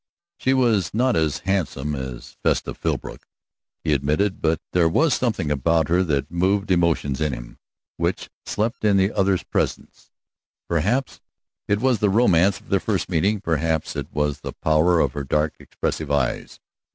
She was not as handsome as Vesta Philbrook, he admitted, but there was something about her that moved emotions in him which slept in the other's presence. Perhaps it was the romance of their first meeting; perhaps it was the power of her dark, expressive eyes.